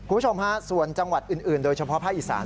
คุณผู้ชมฮะส่วนจังหวัดอื่นโดยเฉพาะภาคอีสาน